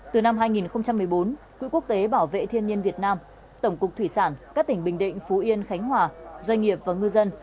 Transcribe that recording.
từ năm hai nghìn một mươi bốn quỹ quốc tế bảo vệ thiên nhiên việt nam tổng cục thủy sản các tỉnh bình định phú yên khánh hòa doanh nghiệp và ngư dân